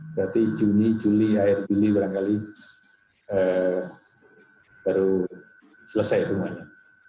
berarti juni juli akhir juli barangkali baru selesai semuanya